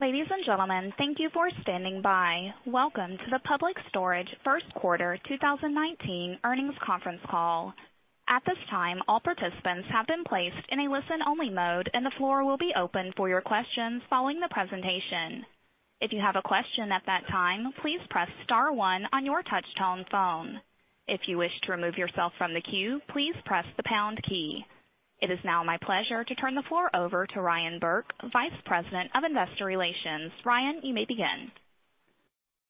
Ladies and gentlemen, thank you for standing by. Welcome to the Public Storage first quarter 2019 earnings conference call. At this time, all participants have been placed in a listen-only mode, and the floor will be open for your questions following the presentation. If you have a question at that time, please press star one on your touch-tone phone. If you wish to remove yourself from the queue, please press the pound key. It is now my pleasure to turn the floor over to Ryan Burke, Vice President of Investor Relations. Ryan, you may begin.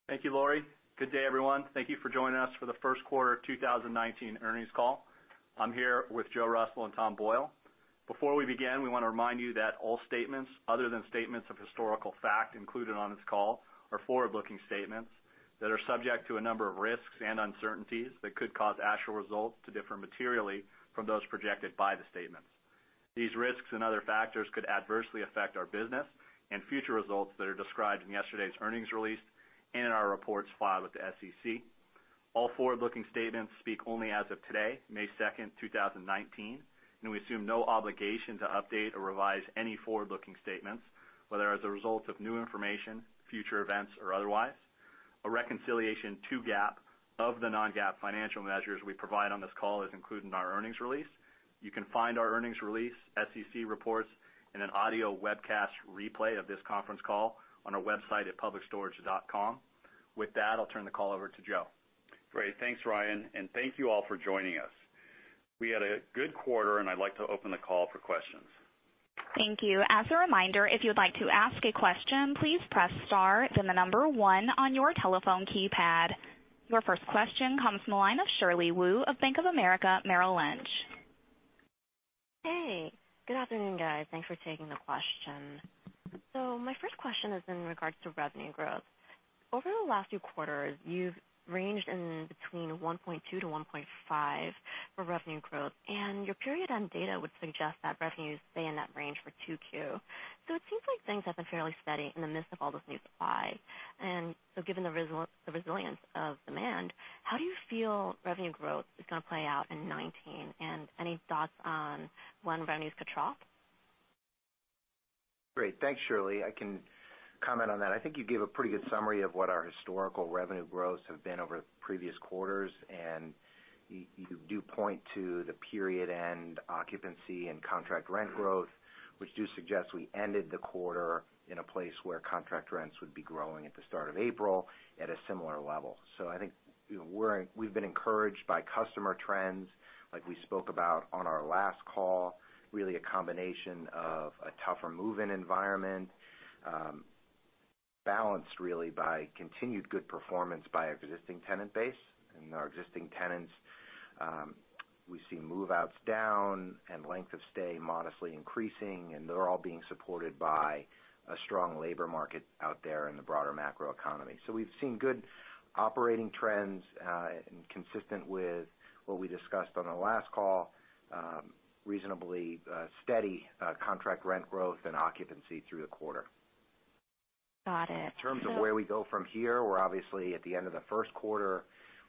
Thank you, Laurie. Good day, everyone. Thank you for joining us for the first quarter of 2019 earnings call. I'm here with Joe Russell and Tom Boyle. Before we begin, we want to remind you that all statements other than statements of historical fact included on this call are forward-looking statements that are subject to a number of risks and uncertainties that could cause actual results to differ materially from those projected by the statements. These risks and other factors could adversely affect our business and future results that are described in yesterday's earnings release and in our reports filed with the SEC. All forward-looking statements speak only as of today, May 2nd, 2019, and we assume no obligation to update or revise any forward-looking statements, whether as a result of new information, future events, or otherwise. A reconciliation to GAAP of the non-GAAP financial measures we provide on this call is included in our earnings release. You can find our earnings release, SEC reports, and an audio webcast replay of this conference call on our website at publicstorage.com. With that, I'll turn the call over to Joe. Great. Thanks, Ryan, and thank you all for joining us. We had a good quarter, and I'd like to open the call for questions. Thank you. As a reminder, if you'd like to ask a question, please press star then the number one on your telephone keypad. Your first question comes from the line of Shirley Wu of Bank of America Merrill Lynch. Hey, good afternoon, guys. Thanks for taking the question. My first question is in regards to revenue growth. Over the last few quarters, you've ranged in between 1.2%-1.5% for revenue growth, and your period-end data would suggest that revenues stay in that range for 2Q. It seems like things have been fairly steady in the midst of all this new supply. Given the resilience of demand, how do you feel revenue growth is going to play out in 2019? Any thoughts on when revenues could drop? Great. Thanks, Shirley. I can comment on that. I think you gave a pretty good summary of what our historical revenue growths have been over previous quarters, and you do point to the period-end occupancy and contract rent growth, which do suggest we ended the quarter in a place where contract rents would be growing at the start of April at a similar level. I think we've been encouraged by customer trends, like we spoke about on our last call, really a combination of a tougher move-in environment, balanced really by continued good performance by existing tenant base. Our existing tenants, we've seen move-outs down and length of stay modestly increasing, and they're all being supported by a strong labor market out there in the broader macro economy. We've seen good operating trends, and consistent with what we discussed on the last call, reasonably steady contract rent growth and occupancy through the quarter. Got it. In terms of where we go from here, we're obviously at the end of the first quarter.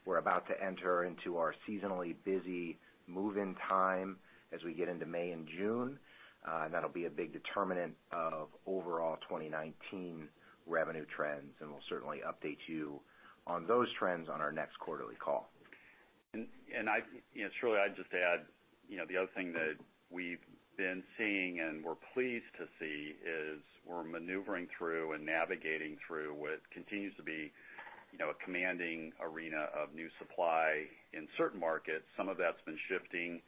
We're about to enter into our seasonally busy move-in time as we get into May and June. That'll be a big determinant of overall 2019 revenue trends, and we'll certainly update you on those trends on our next quarterly call. Shirley, I'd just add, the other thing that we've been seeing, and we're pleased to see, is we're maneuvering through and navigating through what continues to be a commanding arena of new supply in certain markets. Some of that's been shifting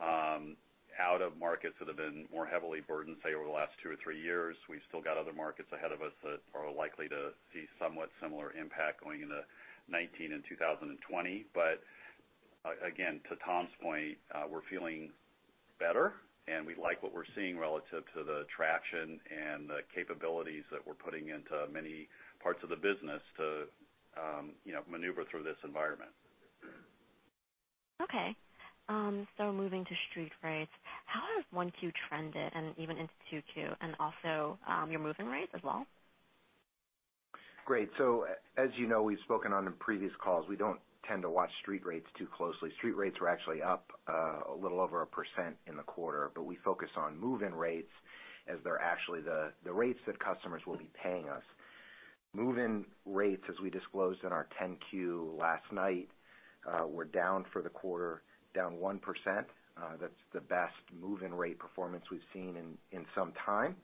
out of markets that have been more heavily burdened, say, over the last two or three years. We've still got other markets ahead of us that are likely to see somewhat similar impact going into 2019 and 2020. Again, to Tom's point, we're feeling better, and we like what we're seeing relative to the traction and the capabilities that we're putting into many parts of the business to maneuver through this environment. Okay. Moving to street rates, how has 1Q trended and even into 2Q and also your move-in rates as well? Great. As you know, we've spoken on the previous calls, we don't tend to watch street rates too closely. Street rates were actually up a little over 1% in the quarter, but we focus on move-in rates as they're actually the rates that customers will be paying us. Move-in rates, as we disclosed in our 10-Q last night, were down for the quarter, down 1%. That's the best move-in rate performance we've seen in some time.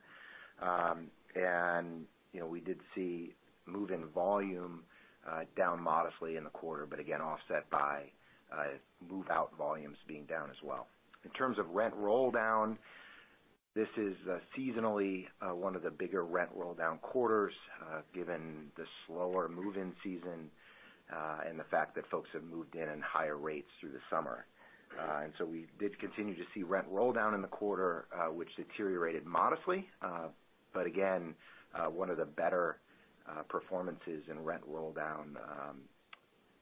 We did see move-in volume down modestly in the quarter, but again, offset by move-out volumes being down as well. In terms of rent roll down, this is seasonally one of the bigger rent roll down quarters, given the slower move-in season, and the fact that folks have moved in in higher rates through the summer. We did continue to see rent roll down in the quarter, which deteriorated modestly, but again one of the better performances in rent roll down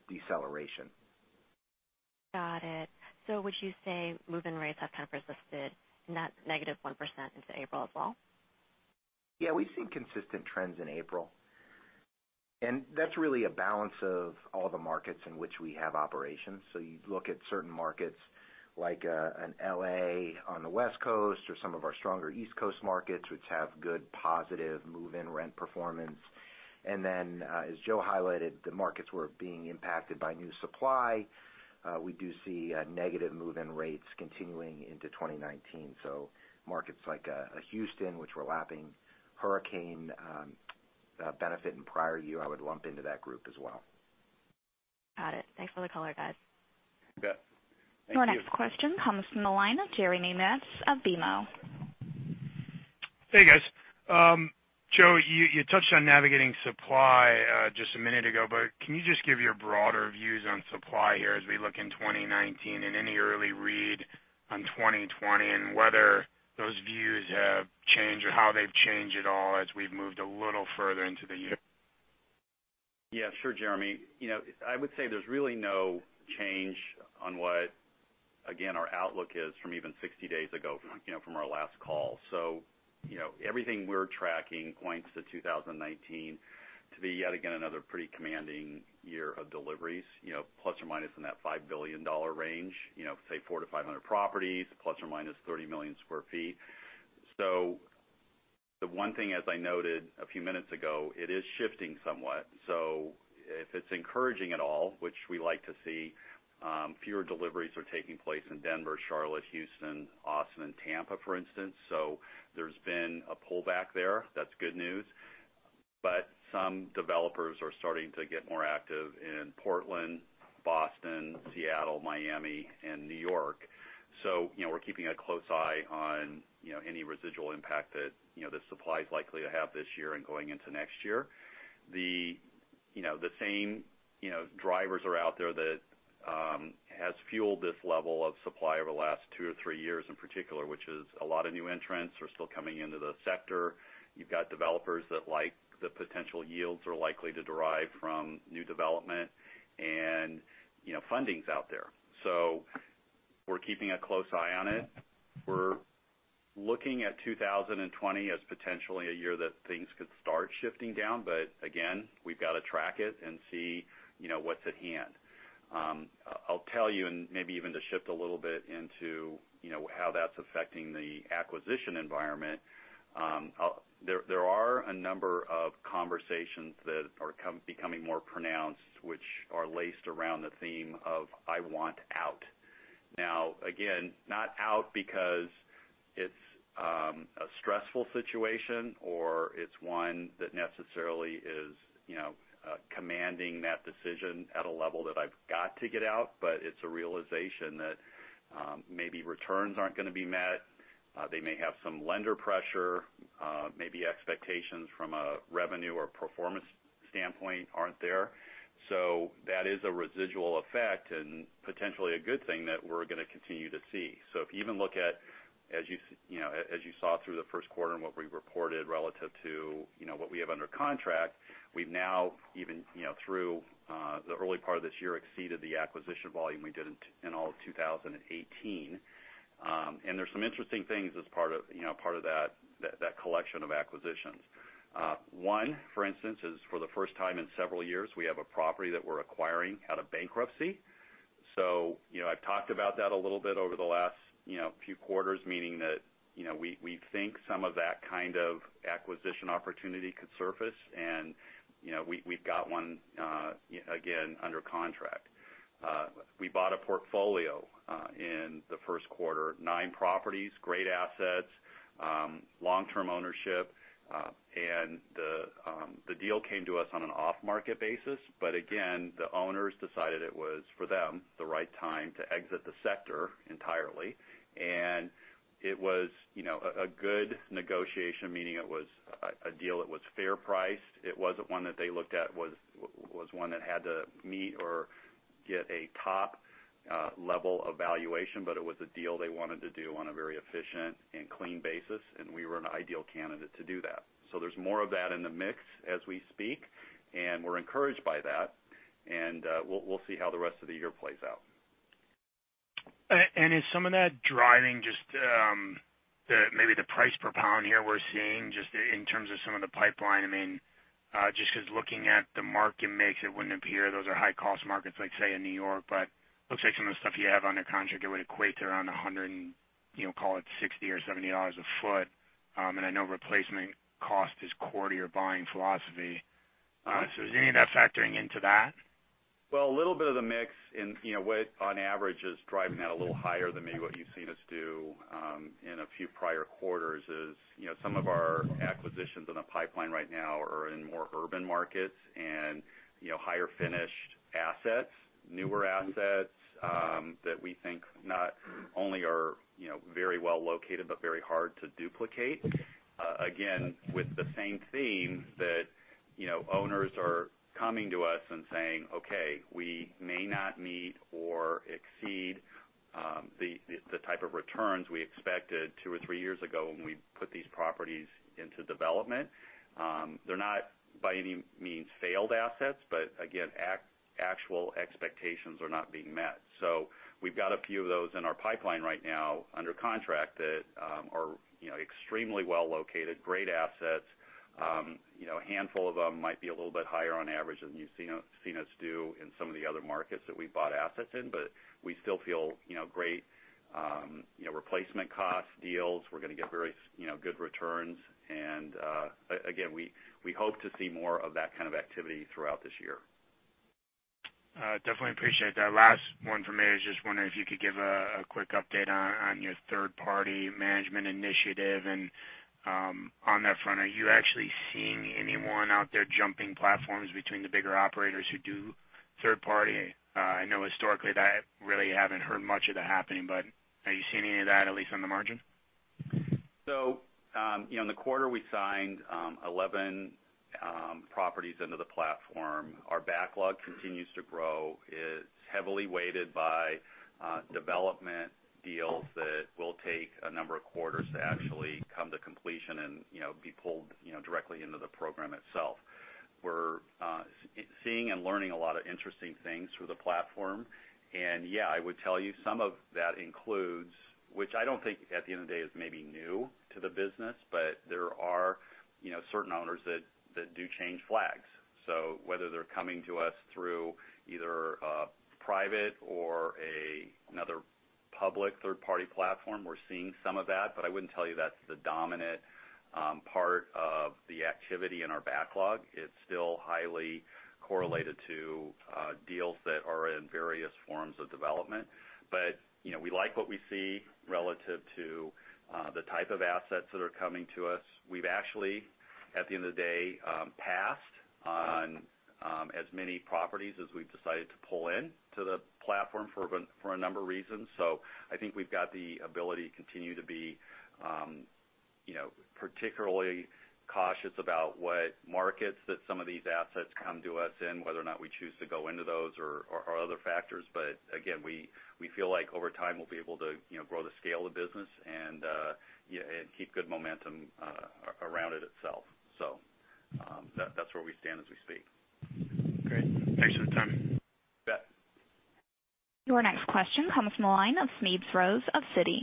deceleration. Got it. Would you say move-in rates have kind of persisted, not negative 1% into April as well? Yeah, we've seen consistent trends in April. That's really a balance of all the markets in which we have operations. You look at certain markets like in L.A. on the West Coast or some of our stronger East Coast markets, which have good positive move-in rent performance. As Joe highlighted, the markets were being impacted by new supply. We do see negative move-in rates continuing into 2019. Markets like Houston, which we're lapping hurricane benefit in prior year, I would lump into that group as well. Got it. Thanks for the color, guys. You bet. Thank you. Your next question comes from the line of Jeremy Metz of BMO. Hey, guys. Joe, you touched on navigating supply just a minute ago, Can you just give your broader views on supply here as we look in 2019 and any early read on 2020, and whether those views have changed or how they've changed at all as we've moved a little further into the year? Yeah, sure, Jeremy. I would say there's really no change on what, again, our outlook is from even 60 days ago from our last call. Everything we're tracking points to 2019 to be, yet again, another pretty commanding year of deliveries, ± in that $5 billion range, say 4-500 properties, ±30 million sq ft. The one thing, as I noted a few minutes ago, it is shifting somewhat. If it's encouraging at all, which we like to see, fewer deliveries are taking place in Denver, Charlotte, Houston, Austin, and Tampa, for instance. There's been a pullback there. That's good news. Some developers are starting to get more active in Portland, Boston, Seattle, Miami, and New York. We're keeping a close eye on any residual impact that the supply is likely to have this year and going into next year. The same drivers are out there that has fueled this level of supply over the last two or three years in particular, which is a lot of new entrants are still coming into the sector. You've got developers that like the potential yields are likely to derive from new development and funding's out there. We're keeping a close eye on it. We're looking at 2020 as potentially a year that things could start shifting down. Again, we've got to track it and see what's at hand. I'll tell you, Maybe even to shift a little bit into how that's affecting the acquisition environment, there are a number of conversations that are becoming more pronounced, which are laced around the theme of, "I want out." Now, again, not out because it's a stressful situation or it's one that necessarily is commanding that decision at a level that I've got to get out, but it's a realization that maybe returns aren't going to be met. They may have some lender pressure, maybe expectations from a revenue or performance standpoint aren't there. That is a residual effect and potentially a good thing that we're going to continue to see. If you even look at, as you saw through the first quarter and what we reported relative to what we have under contract, we've now even through the early part of this year, exceeded the acquisition volume we did in all of 2018. There's some interesting things as part of that collection of acquisitions. One, for instance, is for the first time in several years, we have a property that we're acquiring out of bankruptcy. I've talked about that a little bit over the last few quarters, meaning that we think some of that kind of acquisition opportunity could surface, and we've got one, again, under contract. We bought a portfolio in the first quarter, nine properties, great assets, long-term ownership. The deal came to us on an off-market basis, but again, the owners decided it was, for them, the right time to exit the sector entirely. It was a good negotiation, meaning it was a deal that was fair priced. It wasn't one that they looked at was one that had to meet or get a top level of valuation, but it was a deal they wanted to do on a very efficient and clean basis, and we were an ideal candidate to do that. There's more of that in the mix as we speak, and we're encouraged by that, and we'll see how the rest of the year plays out. Is some of that driving just maybe the price per pound here we're seeing just in terms of some of the pipeline? Just because looking at the market mix, it wouldn't appear those are high-cost markets like, say, in New York, but looks like some of the stuff you have under contract, it would equate to around 100 and, call it 60 or $70 a foot. I know replacement cost is core to your buying philosophy. Is any of that factoring into that? Well, a little bit of the mix in what on average is driving that a little higher than maybe what you've seen us do in a few prior quarters is some of our acquisitions in the pipeline right now are in more urban markets and higher finished assets, newer assets, that we think not only are very well located, but very hard to duplicate. Again, with the same theme that owners are coming to us and saying, "Okay, we may not meet or exceed the type of returns we expected two or three years ago when we put these properties into development." They're not by any means failed assets, but again, actual expectations are not being met. We've got a few of those in our pipeline right now under contract that are extremely well located, great assets. A handful of them might be a little bit higher on average than you've seen us do in some of the other markets that we've bought assets in, we still feel great replacement cost deals. We're going to get very good returns. Again, we hope to see more of that kind of activity throughout this year. Definitely appreciate that. Last one from me. I was just wondering if you could give a quick update on your third-party management initiative and on that front, are you actually seeing anyone out there jumping platforms between the bigger operators who do third party? I know historically that I really haven't heard much of that happening, but are you seeing any of that, at least on the margin? In the quarter, we signed 11 properties into the platform. Our backlog continues to grow. It's heavily weighted by development deals that will take a number of quarters to actually come to completion and be pulled directly into the program itself. We're seeing and learning a lot of interesting things through the platform. Yeah, I would tell you some of that includes, which I don't think at the end of the day is maybe new to the business, but there are certain owners that do change flags. Whether they're coming to us through either a private or another public third-party platform, we're seeing some of that, but I wouldn't tell you that's the dominant part of the activity in our backlog. It's still highly correlated to deals that are in various forms of development. We like what we see relative to the type of assets that are coming to us. We've actually, at the end of the day, passed on as many properties as we've decided to pull in to the platform for a number of reasons. I think we've got the ability to continue to be particularly cautious about what markets that some of these assets come to us in, whether or not we choose to go into those or other factors. Again, we feel like over time, we'll be able to grow the scale of the business and keep good momentum around it itself. That's where we stand as we speak. Great. Thanks for the time. You bet. Your next question comes from the line of Smedes Rose of Citi.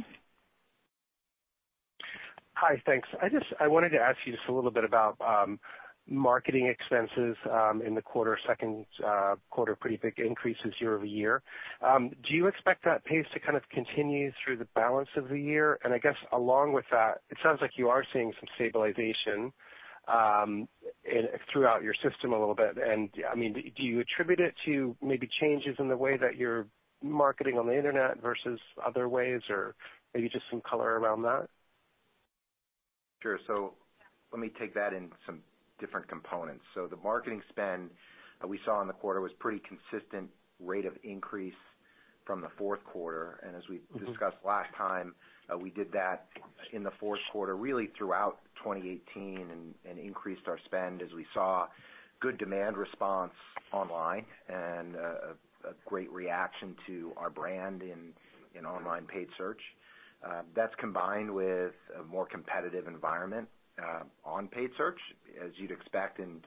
Hi. Thanks. I wanted to ask you just a little bit about marketing expenses in the quarter. Second quarter, pretty big increases year-over-year. Do you expect that pace to kind of continue through the balance of the year? I guess along with that, it sounds like you are seeing some stabilization throughout your system a little bit. Do you attribute it to maybe changes in the way that you're marketing on the internet versus other ways? Or maybe just some color around that. Sure. Let me take that in some different components. The marketing spend that we saw in the quarter was pretty consistent rate of increase from the fourth quarter. As we discussed last time, we did that in the fourth quarter, really throughout 2018, and increased our spend as we saw good demand response online and a great reaction to our brand in online paid search. That's combined with a more competitive environment on paid search. As you'd expect in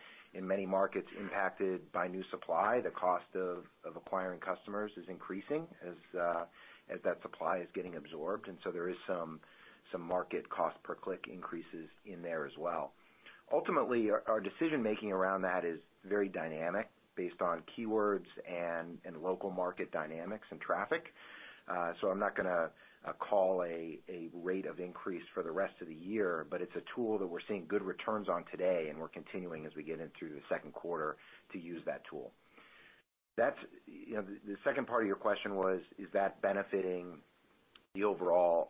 many markets impacted by new supply, the cost of acquiring customers is increasing as that supply is getting absorbed. There is some market cost per click increases in there as well. Ultimately, our decision-making around that is very dynamic based on keywords and local market dynamics and traffic. I'm not going to call a rate of increase for the rest of the year, but it's a tool that we're seeing good returns on today, and we're continuing as we get into the second quarter to use that tool. The second part of your question was, is that benefiting the overall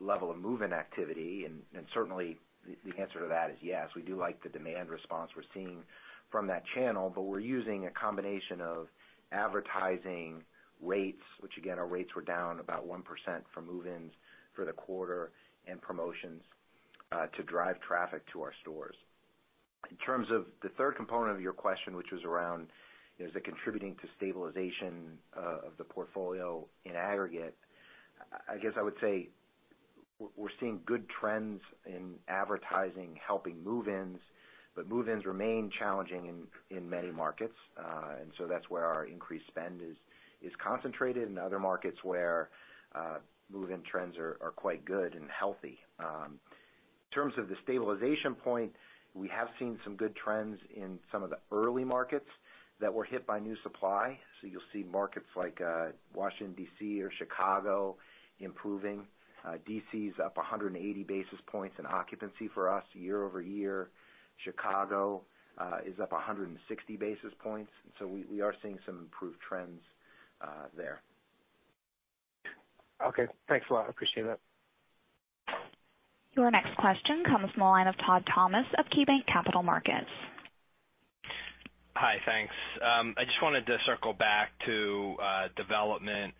level of move-in activity? Certainly, the answer to that is yes. We do like the demand response we're seeing from that channel, but we're using a combination of advertising rates, which again, our rates were down about 1% for move-ins for the quarter and promotions, to drive traffic to our stores. In terms of the third component of your question, which was around, is it contributing to stabilization of the portfolio in aggregate? I guess I would say we're seeing good trends in advertising helping move-ins, but move-ins remain challenging in many markets. That's where our increased spend is concentrated in other markets where move-in trends are quite good and healthy. In terms of the stabilization point, we have seen some good trends in some of the early markets that were hit by new supply. You'll see markets like Washington, D.C. or Chicago improving. D.C.'s up 180 basis points in occupancy for us year-over-year. Chicago is up 160 basis points. We are seeing some improved trends there. Okay. Thanks a lot. I appreciate it. Your next question comes from the line of Todd Thomas of KeyBanc Capital Markets. Hi. Thanks. I just wanted to circle back to development.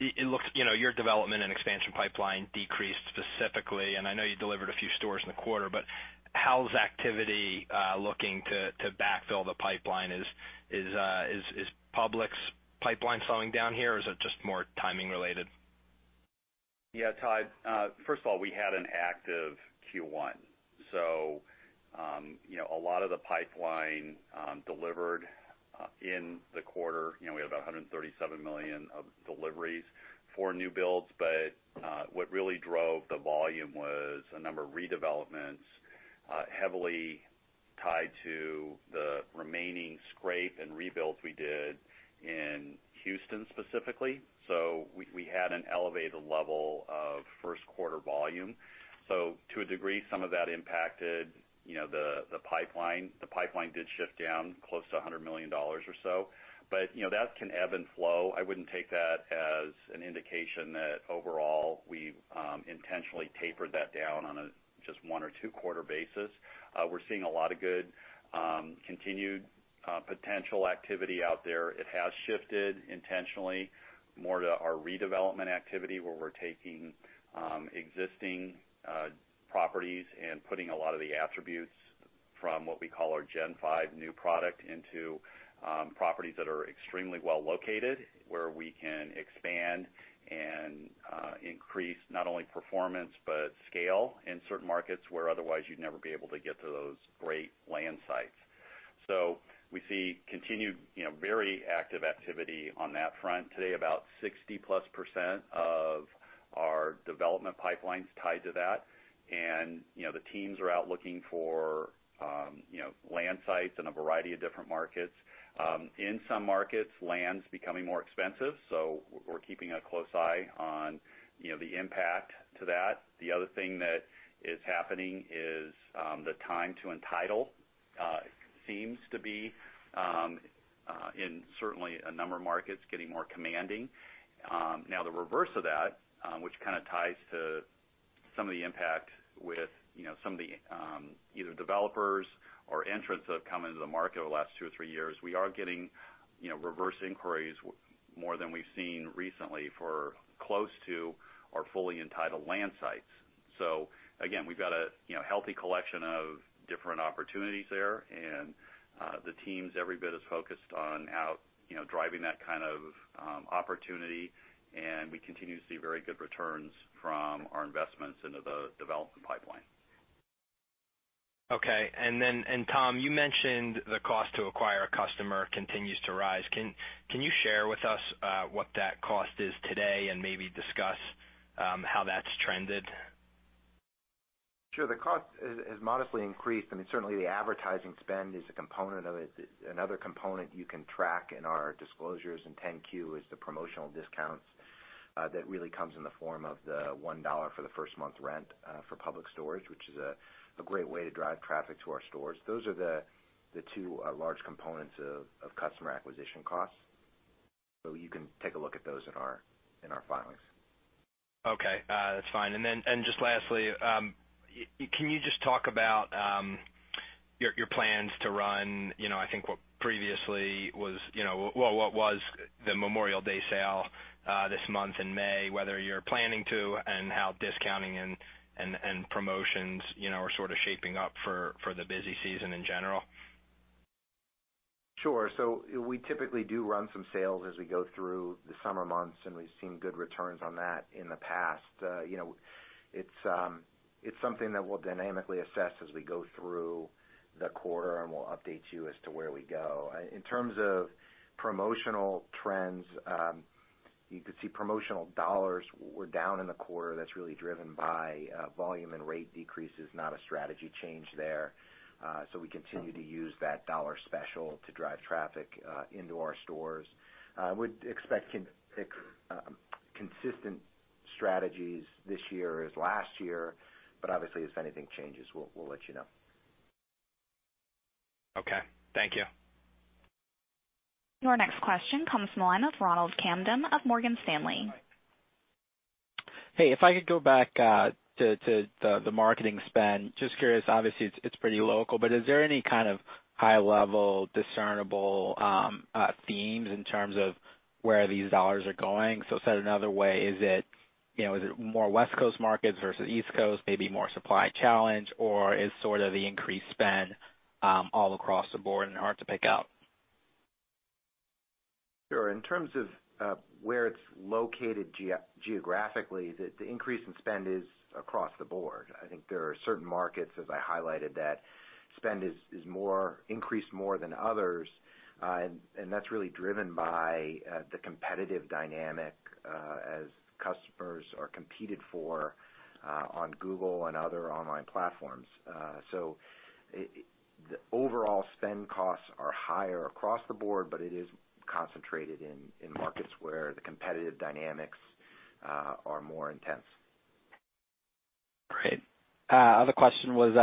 Your development and expansion pipeline decreased specifically. I know you delivered a few stores in the quarter. How's activity looking to backfill the pipeline? Is Public's pipeline slowing down here, or is it just more timing related? Yeah, Todd. First of all, we had an active Q1. A lot of the pipeline delivered in the quarter. We had about $137 million of deliveries for new builds. What really drove the volume was a number of redevelopments heavily tied to the remaining scrape and rebuilds we did in Houston, specifically. We had an elevated level of first quarter volume. To a degree, some of that impacted the pipeline. The pipeline did shift down close to $100 million or so. That can ebb and flow. I wouldn't take that as an indication that overall we've intentionally tapered that down on a just one or two quarter basis. We're seeing a lot of good continued potential activity out there. It has shifted intentionally more to our redevelopment activity, where we're taking existing properties and putting a lot of the attributes from what we call our Gen5 new product into properties that are extremely well located, where we can expand and increase not only performance but scale in certain markets where otherwise you'd never be able to get to those great land sites. We see continued very active activity on that front. Today, about 60-plus % of our development pipeline's tied to that. The teams are out looking for land sites in a variety of different markets. In some markets, land's becoming more expensive. We're keeping a close eye on the impact to that. The other thing that is happening is the time to entitle seems to be, in certainly a number of markets, getting more commanding. The reverse of that, which kind of ties to some of the impact with some of the either developers or entrants that have come into the market over the last two or three years, we are getting reverse inquiries more than we've seen recently for close to our fully entitled land sites. Again, we've got a healthy collection of different opportunities there, and the teams every bit as focused on driving that kind of opportunity, and we continue to see very good returns from our investments into the development pipeline. Okay. Tom, you mentioned the cost to acquire a customer continues to rise. Can you share with us what that cost is today, and maybe discuss how that's trended? Sure. The cost has modestly increased. I mean, certainly the advertising spend is a component of it. Another component you can track in our disclosures in 10-Q is the promotional discounts that really comes in the form of the $1 for the first month rent for Public Storage, which is a great way to drive traffic to our stores. Those are the two large components of customer acquisition costs. You can take a look at those in our filings. Okay, that's fine. Just lastly, can you just talk about your plans to run, I think what previously was the Memorial Day sale this month in May, whether you're planning to and how discounting and promotions are sort of shaping up for the busy season in general? Sure. We typically do run some sales as we go through the summer months, and we've seen good returns on that in the past. It's something that we'll dynamically assess as we go through the quarter, and we'll update you as to where we go. In terms of promotional trends, you could see promotional dollars were down in the quarter. That's really driven by volume and rate decreases, not a strategy change there. We continue to use that dollar special to drive traffic into our stores. Would expect consistent strategies this year as last year, but obviously, if anything changes, we'll let you know. Okay, thank you. Your next question comes from the line of Ronald Kamdem of Morgan Stanley. Hey, if I could go back to the marketing spend. Just curious, obviously it's pretty local, but is there any kind of high level discernible themes in terms of where these dollars are going? Said another way, is it more West Coast markets versus East Coast, maybe more supply challenge, or is sort of the increased spend all across the board and hard to pick out? Sure. In terms of where it's located geographically, the increase in spend is across the board. I think there are certain markets, as I highlighted, that spend is increased more than others. That's really driven by the competitive dynamic as customers are competed for on Google and other online platforms. The overall spend costs are higher across the board, but it is concentrated in markets where the competitive dynamics are more intense. Great. Other question was,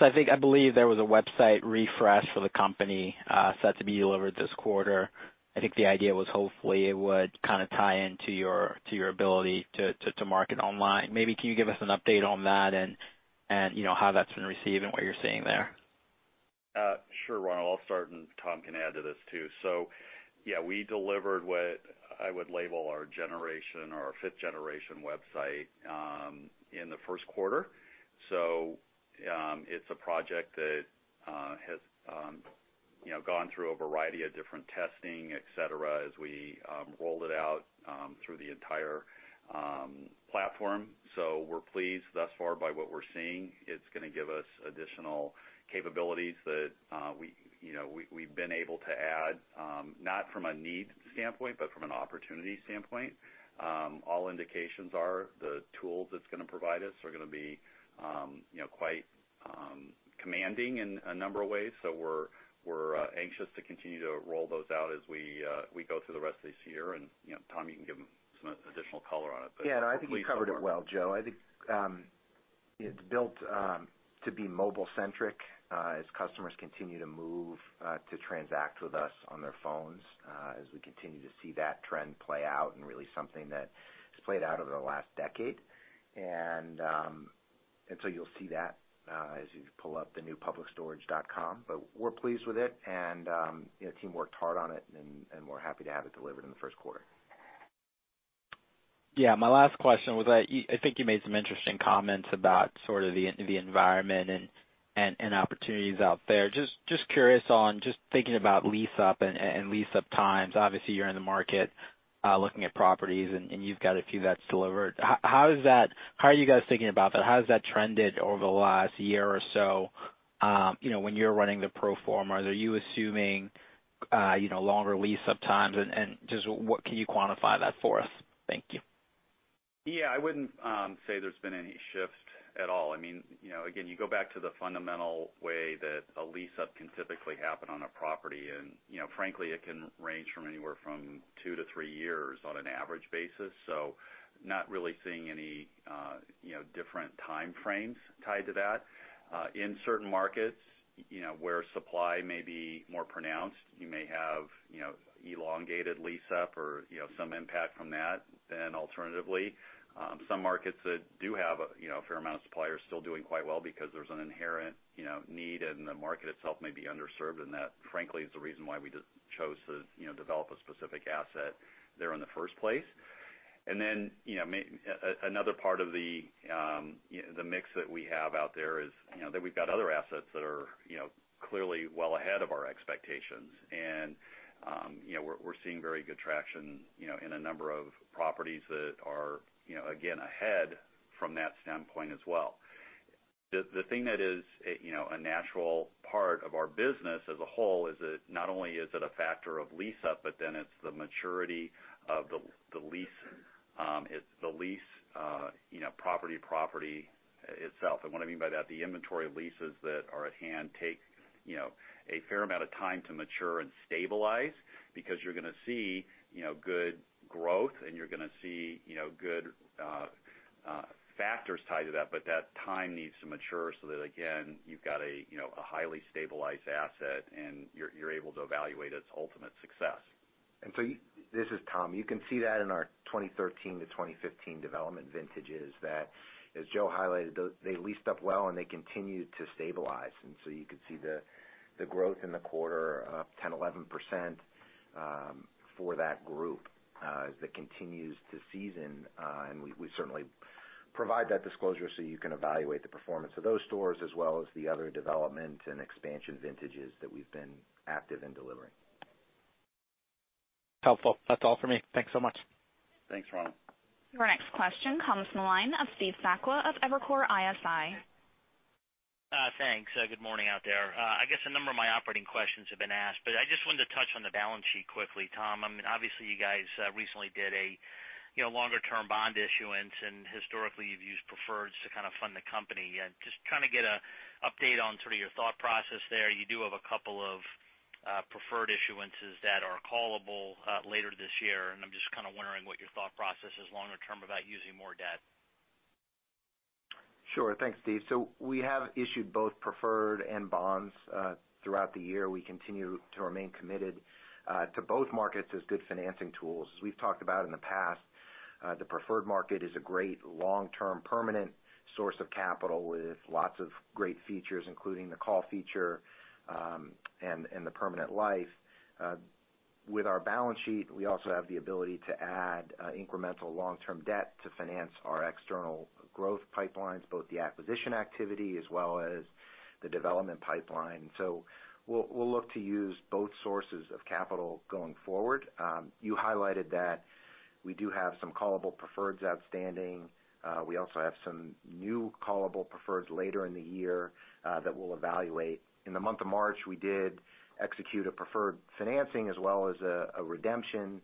I believe there was a website refresh for the company set to be delivered this quarter. I think the idea was hopefully it would kind of tie into your ability to market online. Maybe can you give us an update on that and how that's been received and what you're seeing there? Sure, Ronald. I'll start, and Tom can add to this too. We delivered what I would label our fifth generation website, in the first quarter. It's a project that has gone through a variety of different testing, et cetera, as we rolled it out through the entire platform. We're pleased thus far by what we're seeing. It's going to give us additional capabilities that we've been able to add, not from a need standpoint, but from an opportunity standpoint. All indications are the tools it's going to provide us are going to be quite commanding in a number of ways. We're anxious to continue to roll those out as we go through the rest of this year. Tom, you can give them some additional color on it. I think you covered it well, Joe. I think it's built to be mobile-centric as customers continue to move to transact with us on their phones, as we continue to see that trend play out and really something that has played out over the last decade. You'll see that as you pull up the new publicstorage.com. We're pleased with it, and the team worked hard on it, and we're happy to have it delivered in the first quarter. Yeah. My last question was, I think you made some interesting comments about sort of the environment and opportunities out there. Just curious on just thinking about lease-up and lease-up times. Obviously, you're in the market looking at properties, and you've got a few that's delivered. How are you guys thinking about that? How has that trended over the last year or so? When you're running the pro forma, are you assuming longer lease-up times? Just what can you quantify that for us? Thank you. Yeah. I wouldn't say there's been any shift at all. Again, you go back to the fundamental way that a lease-up can typically happen on a property, frankly, it can range from anywhere from two to three years on an average basis. Not really seeing any different time frames tied to that. Alternatively, some markets that do have a fair amount of supply are still doing quite well because there's an inherent need, and the market itself may be underserved, and that, frankly, is the reason why we just chose to develop a specific asset there in the first place. Another part of the mix that we have out there is that we've got other assets that are clearly well ahead of our expectations. We're seeing very good traction in a number of properties that are, again, ahead from that standpoint as well. The thing that is a natural part of our business as a whole is that not only is it a factor of lease-up, it's the maturity of the lease property itself. What I mean by that, the inventory leases that are at hand take a fair amount of time to mature and stabilize because you're gonna see good growth and you're gonna see good factors tied to that, but that time needs to mature so that, again, you've got a highly stabilized asset, and you're able to evaluate its ultimate success. This is Tom. You can see that in our 2013 to 2015 development vintages, that, as Joe highlighted, they leased up well, and they continued to stabilize. You could see the growth in the quarter up 10, 11% for that group as it continues to season. We certainly provide that disclosure so you can evaluate the performance of those stores as well as the other development and expansion vintages that we've been active in delivering. Helpful. That's all for me. Thanks so much. Thanks, Ronald. Your next question comes from the line of Steve Sakwa of Evercore ISI. Thanks. Good morning out there. I guess a number of my operating questions have been asked, but I just wanted to touch on the balance sheet quickly, Tom. Obviously, you guys recently did a longer-term bond issuance, and historically, you've used preferreds to kind of fund the company. Just kind of get an update on sort of your thought process there. You do have a couple of preferred issuances that are callable later this year, and I'm just kind of wondering what your thought process is longer term about using more debt. Sure. Thanks, Steve. We have issued both preferred and bonds throughout the year. We continue to remain committed to both markets as good financing tools. As we've talked about in the past, the preferred market is a great long-term permanent source of capital with lots of great features, including the call feature and the permanent life. With our balance sheet, we also have the ability to add incremental long-term debt to finance our external growth pipelines, both the acquisition activity as well as the development pipeline. We'll look to use both sources of capital going forward. You highlighted that we do have some callable preferreds outstanding. We also have some new callable preferreds later in the year that we'll evaluate. In the month of March, we did execute a preferred financing as well as a redemption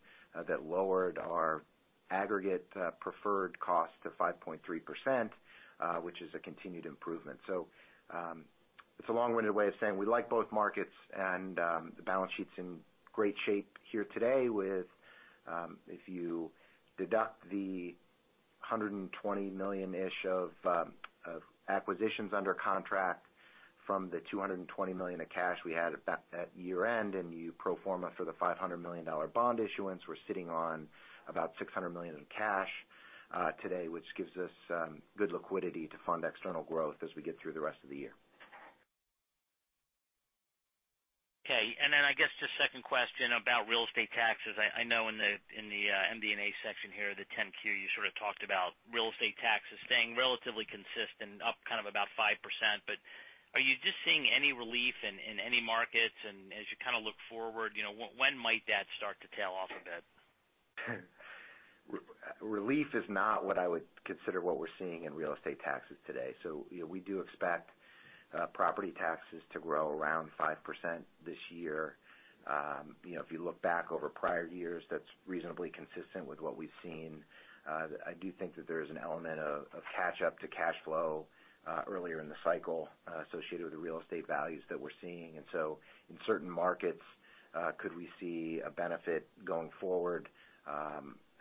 that lowered our aggregate preferred cost to 5.3%, which is a continued improvement. It's a long-winded way of saying we like both markets, and the balance sheet's in great shape here today with, if you deduct the $120 million-ish of acquisitions under contract from the $220 million of cash we had at year-end, and you pro forma for the $500 million bond issuance, we're sitting on about $600 million in cash today, which gives us good liquidity to fund external growth as we get through the rest of the year. Okay. I guess just second question about real estate taxes. I know in the MD&A section here, the 10-Q, you sort of talked about real estate taxes staying relatively consistent, up kind of about 5%. Are you just seeing any relief in any markets? As you kind of look forward, when might that start to tail off a bit? Relief is not what I would consider what we're seeing in real estate taxes today. We do expect property taxes to grow around 5% this year. If you look back over prior years, that's reasonably consistent with what we've seen. I do think that there is an element of catch up to cash flow, earlier in the cycle, associated with the real estate values that we're seeing. In certain markets, could we see a benefit going forward,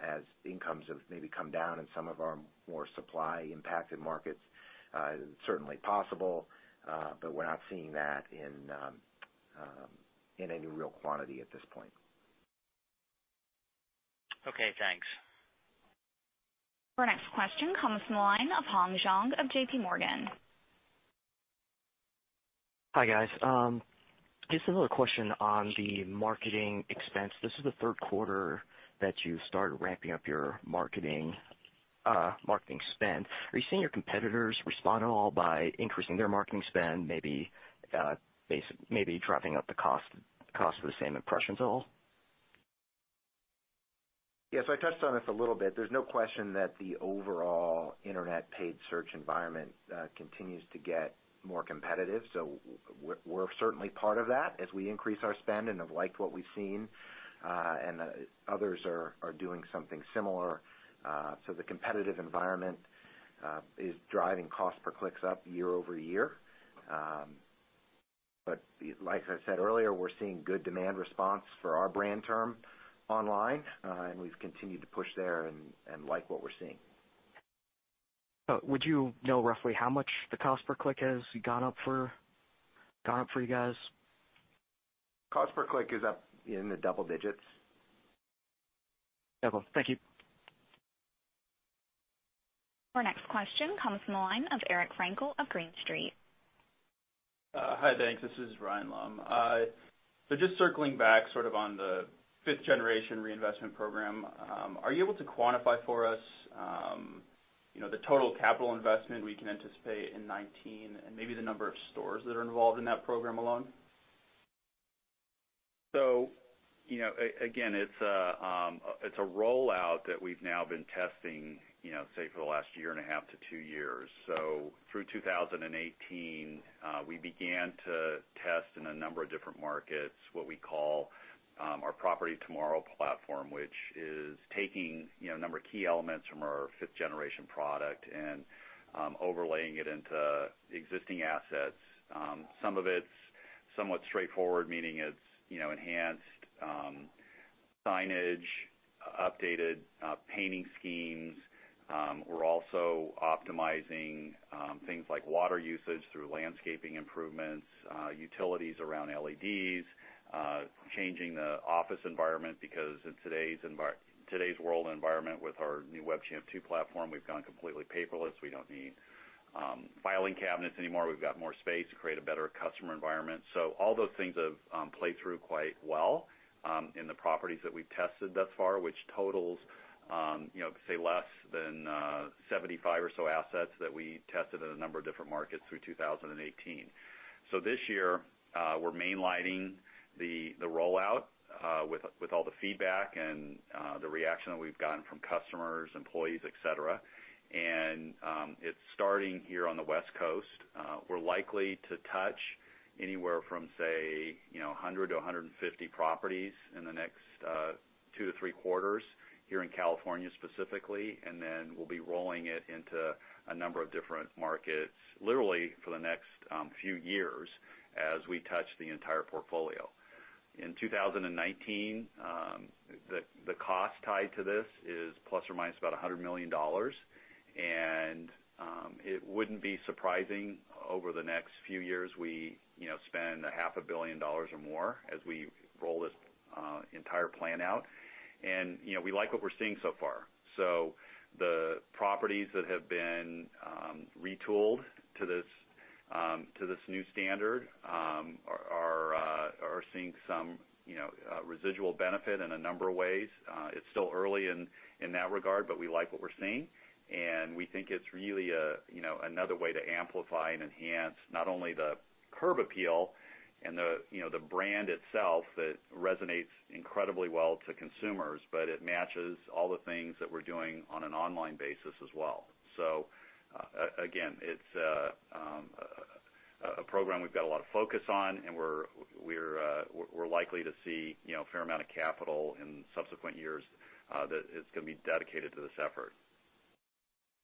as incomes have maybe come down in some of our more supply-impacted markets? Certainly possible. We're not seeing that in any real quantity at this point. Okay, thanks. Our next question comes from the line of Hong Zhang of J.P. Morgan. Hi, guys. Just a little question on the marketing expense. This is the third quarter that you started ramping up your marketing spend. Are you seeing your competitors respond at all by increasing their marketing spend, maybe dropping up the cost of the same impressions at all? Yeah. I touched on this a little bit. There's no question that the overall internet paid search environment continues to get more competitive. We're certainly part of that as we increase our spend and have liked what we've seen. Others are doing something similar. The competitive environment, is driving cost per clicks up year-over-year. Like I said earlier, we're seeing good demand response for our brand term online. We've continued to push there and like what we're seeing. Would you know roughly how much the cost per click has gone up for you guys? Cost per click is up in the double digits. Okay. Thank you. Our next question comes from the line of Eric Frankel of Green Street. Hi. Thanks. This is Ryan Lumb. Just circling back sort of on the fifth-generation reinvestment program, are you able to quantify for us the total capital investment we can anticipate in 2019 and maybe the number of stores that are involved in that program alone? Again, it's a rollout that we've now been testing, say, for the last year and a half to two years. Through 2018, we began to test in a number of different markets, what we call, our Property Tomorrow platform, which is taking a number of key elements from our fifth-generation product and overlaying it into existing assets. Some of it's somewhat straightforward, meaning it's enhanced signage, updated painting schemes. We're also optimizing things like water usage through landscaping improvements, utilities around LEDs, changing the office environment, because in today's world environment with our new WebChamp 2 platform, we've gone completely paperless. We don't need filing cabinets anymore. We've got more space to create a better customer environment. All those things have played through quite well, in the properties that we've tested thus far, which totals, say less than 75 or so assets that we tested in a number of different markets through 2018. This year, we're mainlining the rollout, with all the feedback and the reaction that we've gotten from customers, employees, et cetera. It's starting here on the West Coast. We're likely to touch anywhere from, say, 100 to 150 properties in the next two to three quarters here in California, specifically. Then we'll be rolling it into a number of different markets, literally for the next few years as we touch the entire portfolio. In 2019, the cost tied to this is plus or minus about $100 million. It wouldn't be surprising over the next few years, we spend a half a billion dollars or more as we roll this entire plan out. We like what we're seeing so far. The properties that have been retooled to this new standard, are seeing some residual benefit in a number of ways. It's still early in that regard, but we like what we're seeing, and we think it's really another way to amplify and enhance not only the curb appeal and the brand itself that resonates incredibly well to consumers, but it matches all the things that we're doing on an online basis as well. Again, it's a program we've got a lot of focus on, and we're likely to see a fair amount of capital in subsequent years, that is going to be dedicated to this effort.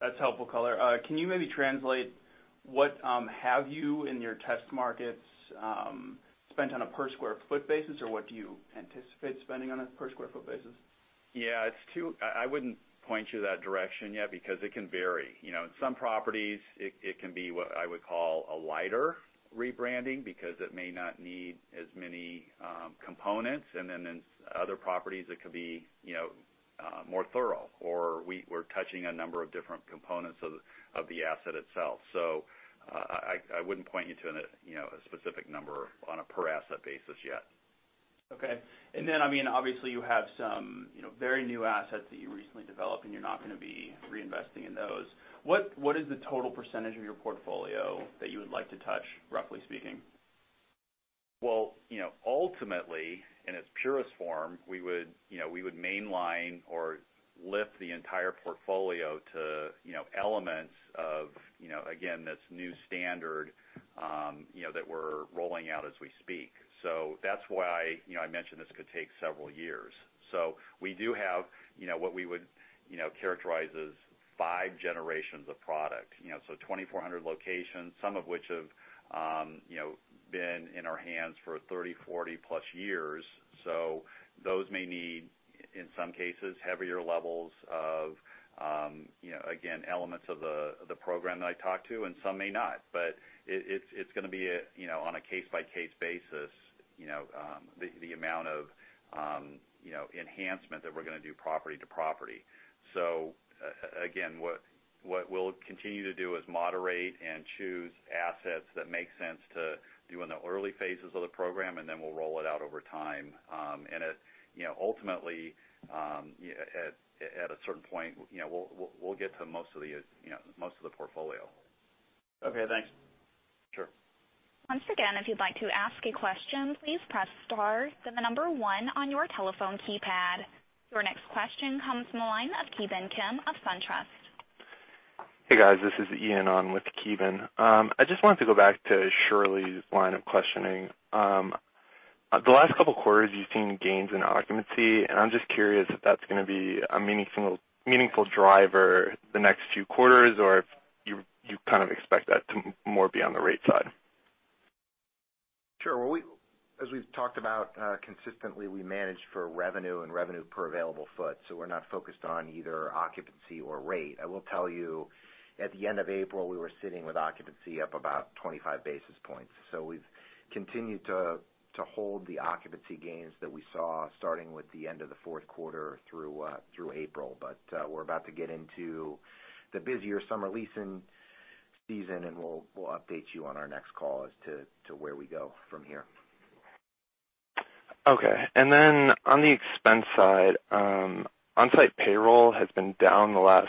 That's helpful color. Can you maybe translate what have you in your test markets spent on a per square foot basis, or what do you anticipate spending on a per square foot basis? Yeah, I wouldn't point you that direction yet because it can vary. In some properties it can be what I would call a lighter rebranding because it may not need as many components. In other properties, it could be more thorough, or we're touching a number of different components of the asset itself. I wouldn't point you to a specific number on a per asset basis yet. Okay. Obviously, you have some very new assets that you recently developed, and you're not going to be reinvesting in those. What is the total % of your portfolio that you would like to touch, roughly speaking? Well, ultimately, in its purest form, we would mainline or lift the entire portfolio to elements of, again, this new standard that we're rolling out as we speak. That's why I mentioned this could take several years. We do have what we would characterize as 5 generations of product. 2,400 locations, some of which have been in our hands for 30, 40-plus years. Those may need, in some cases, heavier levels of, again, elements of the program that I talked to, and some may not. It's going to be on a case-by-case basis, the amount of enhancement that we're going to do property to property. Again, what we'll continue to do is moderate and choose assets that make sense to do in the early phases of the program, and then we'll roll it out over time. It ultimately, at a certain point, we'll get to most of the portfolio. Okay, thanks. Sure. Once again, if you'd like to ask a question, please press star, then the number 1 on your telephone keypad. Your next question comes from the line of Ki-Bin Kim of SunTrust. Hey, guys, this is Ian on with Ki-Bin. I just wanted to go back to Shirley's line of questioning. The last couple of quarters, you've seen gains in occupancy, and I'm just curious if that's going to be a meaningful driver the next few quarters, or if you kind of expect that to more be on the rate side. Sure. As we've talked about consistently, we manage for revenue and revenue per available foot, so we're not focused on either occupancy or rate. I will tell you, at the end of April, we were sitting with occupancy up about 25 basis points. We've continued to hold the occupancy gains that we saw, starting with the end of the fourth quarter through April. We're about to get into the busier summer leasing season, and we'll update you on our next call as to where we go from here. Okay. On the expense side, onsite payroll has been down the last,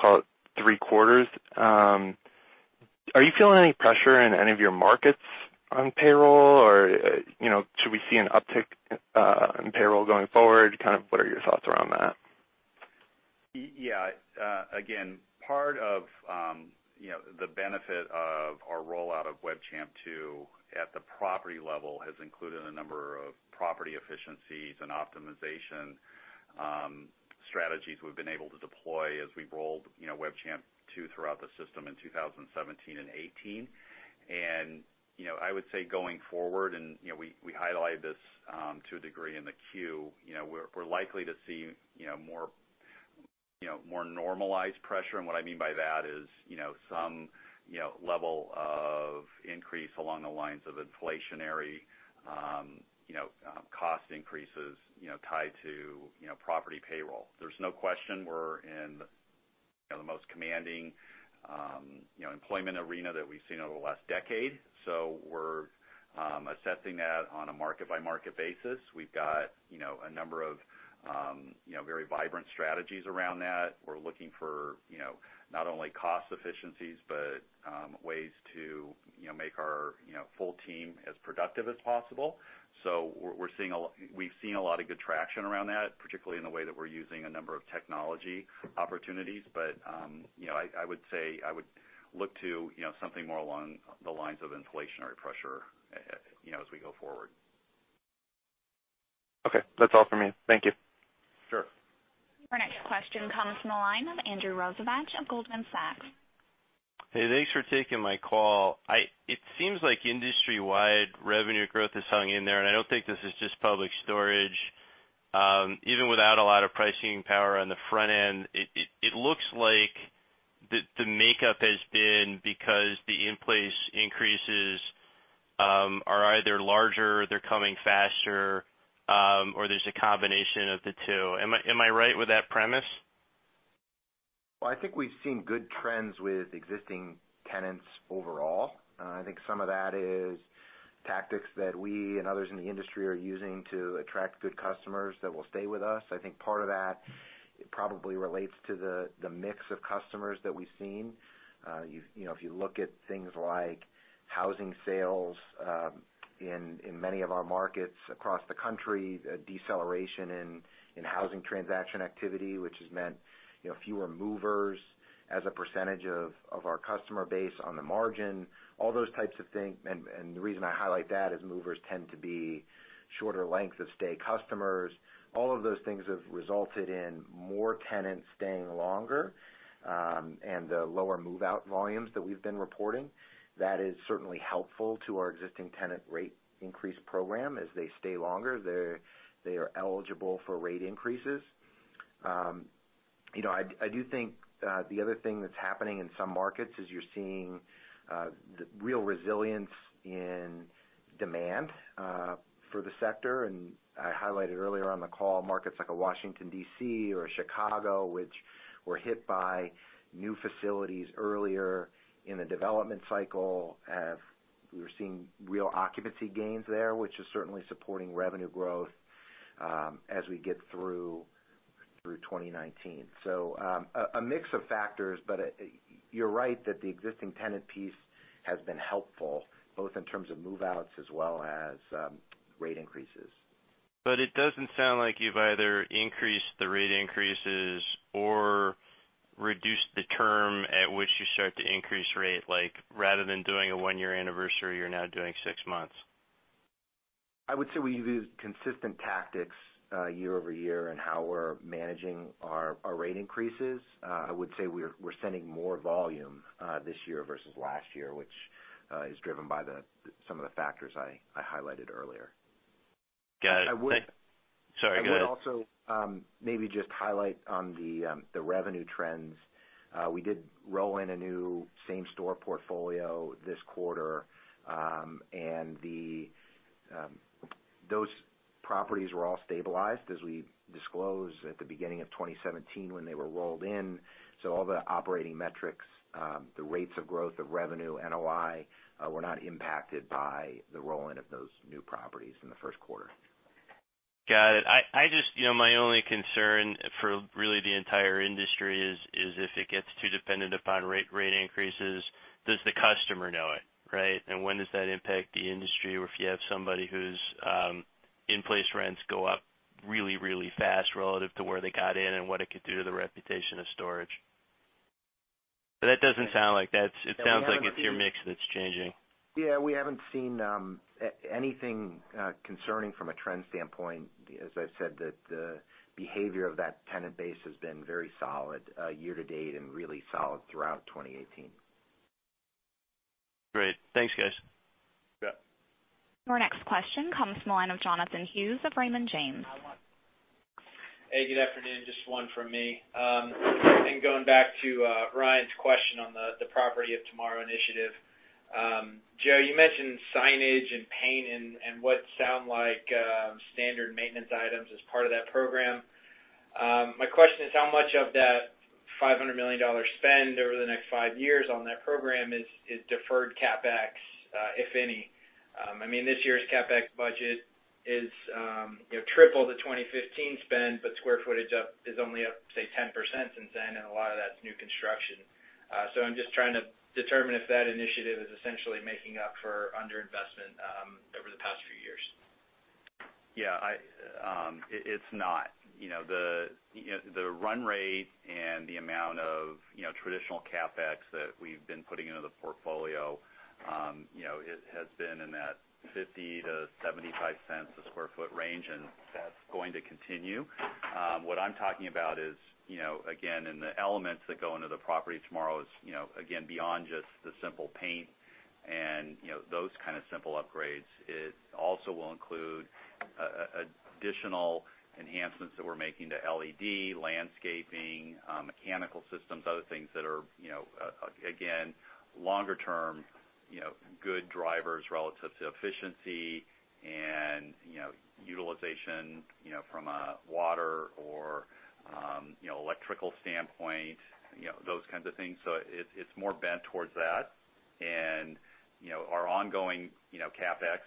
call it, three quarters. Are you feeling any pressure in any of your markets on payroll? Should we see an uptick in payroll going forward? Kind of what are your thoughts around that? Yeah. Again, part of the benefit of our rollout of WebChamp 2 at the property level has included a number of property efficiencies and optimization strategies we've been able to deploy as we've rolled WebChamp 2 throughout the system in 2017 and '18. I would say going forward, and we highlighted this to a degree in the Q, we're likely to see more normalized pressure. What I mean by that is some level of increase along the lines of inflationary cost increases tied to property payroll. There's no question we're in the most commanding employment arena that we've seen over the last decade. We're assessing that on a market-by-market basis. We've got a number of very vibrant strategies around that. We're looking for not only cost efficiencies, but ways to make our full team as productive as possible. We've seen a lot of good traction around that, particularly in the way that we're using a number of technology opportunities. I would look to something more along the lines of inflationary pressure as we go forward. Okay. That's all from me. Thank you. Sure. Our next question comes from the line of Andrew Rosivach of Goldman Sachs. Hey, thanks for taking my call. It seems like industry-wide revenue growth has hung in there, and I don't think this is just Public Storage. Even without a lot of pricing power on the front end, it looks like the makeup has been because the in-place increases are either larger, they're coming faster, or there's a combination of the two. Am I right with that premise? Well, I think we've seen good trends with existing tenants overall. I think some of that is tactics that we and others in the industry are using to attract good customers that will stay with us. I think part of that probably relates to the mix of customers that we've seen. If you look at things like housing sales in many of our markets across the country, deceleration in housing transaction activity, which has meant fewer movers as a percentage of our customer base on the margin, all those types of things. The reason I highlight that is movers tend to be shorter length of stay customers. All of those things have resulted in more tenants staying longer and the lower move-out volumes that we've been reporting. That is certainly helpful to our existing tenant rate increase program. As they stay longer, they are eligible for rate increases. I do think the other thing that's happening in some markets is you're seeing real resilience in demand for the sector. I highlighted earlier on the call, markets like Washington, D.C. or Chicago, which were hit by new facilities earlier in the development cycle, we're seeing real occupancy gains there, which is certainly supporting revenue growth as we get through 2019. A mix of factors, but you're right that the existing tenant piece has been helpful, both in terms of move-outs as well as rate increases. It doesn't sound like you've either increased the rate increases or reduced the term at which you start to increase rate. Like rather than doing a one-year anniversary, you're now doing six months. I would say we use consistent tactics year-over-year in how we're managing our rate increases. I would say we're sending more volume this year versus last year, which is driven by some of the factors I highlighted earlier. Got it. I would- Sorry, go ahead. I would also maybe just highlight on the revenue trends. We did roll in a new same-store portfolio this quarter, and those properties were all stabilized as we disclosed at the beginning of 2017 when they were rolled in. All the operating metrics, the rates of growth of revenue, NOI, were not impacted by the roll-in of those new properties in the first quarter. Got it. My only concern for really the entire industry is if it gets too dependent upon rate increases, does the customer know it, right? When does that impact the industry, or if you have somebody whose in-place rents go up really, really fast relative to where they got in and what it could do to the reputation of storage. Yeah, we haven't seen. It sounds like it's your mix that's changing. Yeah, we haven't seen anything concerning from a trend standpoint. As I've said, the behavior of that tenant base has been very solid year to date and really solid throughout 2018. Great. Thanks, guys. You bet. Our next question comes from the line of Jonathan Hughes of Raymond James. Hey, good afternoon. Just one from me. I think going back to Ryan's question on the Property Tomorrow initiative. Joe, you mentioned signage and paint and what sound like standard maintenance items as part of that program. My question is, how much of that $500 million spend over the next five years on that program is deferred CapEx, if any? I mean, this year's CapEx budget is triple the 2015 spend, but square footage is only up, say, 10% since then, and a lot of that's new construction. I'm just trying to determine if that initiative is essentially making up for under-investment over the past few years. Yeah. It's not. The run rate and the amount of traditional CapEx that we've been putting into the portfolio has been in that $0.50 to $0.75 a sq ft range, and that's going to continue. What I'm talking about is, again, in the elements that go into the Property Tomorrow is, again, beyond just the simple paint and those kind of simple upgrades. It also will include additional enhancements that we're making to LED, landscaping, mechanical systems, other things that are, again, longer term, good drivers relative to efficiency and utilization from a water or electrical standpoint, those kinds of things. It's more bent towards that. Our ongoing CapEx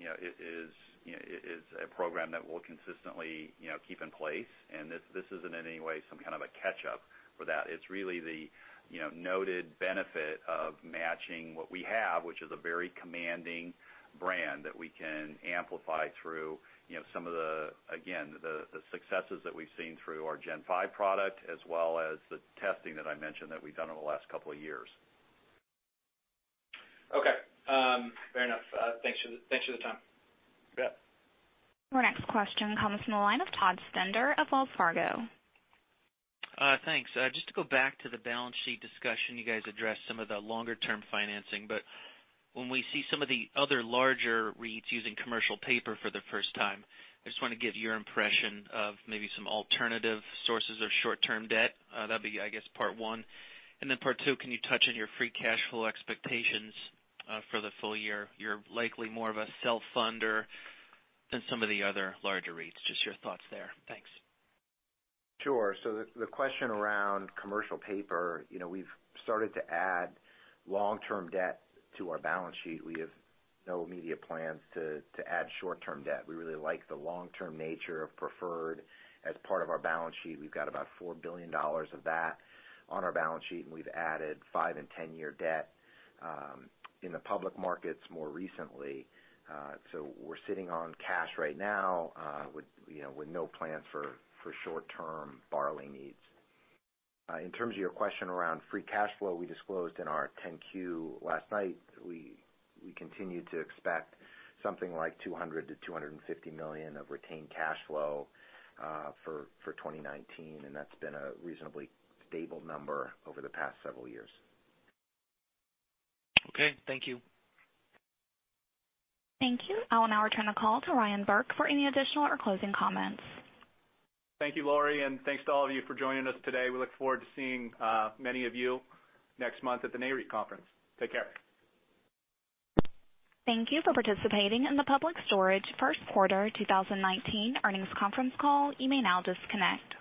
is a program that we'll consistently keep in place, and this isn't in any way some kind of a catch-up for that. It's really the noted benefit of matching what we have, which is a very commanding brand that we can amplify through some of the, again, the successes that we've seen through our Gen5 product, as well as the testing that I mentioned that we've done over the last couple of years. Okay. Fair enough. Thanks for the time. You bet. Our next question comes from the line of Todd Stender of Wells Fargo. Thanks. Just to go back to the balance sheet discussion, you guys addressed some of the longer-term financing. When we see some of the other larger REITs using commercial paper for the first time, I just want to get your impression of maybe some alternative sources of short-term debt. That'd be, I guess, part one. Part two, can you touch on your free cash flow expectations for the full year? You're likely more of a self-funder than some of the other larger REITs. Just your thoughts there. Thanks. Sure. The question around commercial paper, we've started to add long-term debt to our balance sheet. We have no immediate plans to add short-term debt. We really like the long-term nature of preferred as part of our balance sheet. We've got about $4 billion of that on our balance sheet, and we've added five and 10-year debt in the public markets more recently. We're sitting on cash right now with no plans for short-term borrowing needs. In terms of your question around free cash flow, we disclosed in our 10-Q last night, we continue to expect something like $200 million to $250 million of retained cash flow for 2019, and that's been a reasonably stable number over the past several years. Okay, thank you. Thank you. I will now return the call to Ryan Burke for any additional or closing comments. Thank you, Lori, and thanks to all of you for joining us today. We look forward to seeing many of you next month at the Nareit conference. Take care. Thank you for participating in the Public Storage first quarter 2019 earnings conference call. You may now disconnect.